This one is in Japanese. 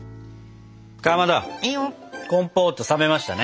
かまどコンポート冷めましたね。